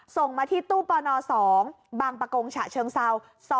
ส่งมาที่ตู้ปอน๒บางปกงเชิงเศร้า๒๔๑๓๐